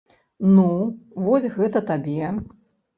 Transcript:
Ну, вось гэта табе!